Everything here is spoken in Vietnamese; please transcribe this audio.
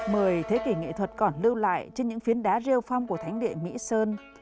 mờ thế kỷ nghệ thuật còn lưu lại trên những phiến đá rêu phong của thánh địa mỹ sơn